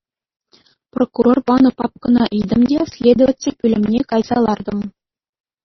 Прокурор панӑ папкӑна илтӗм те следователь пӳлӗмне кайса лартӑм.